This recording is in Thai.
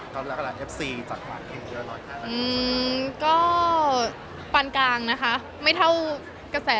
ครั้งแรกร้านเอฟซีจากอือก็ปานกลางนะคะไม่เท่ากระแส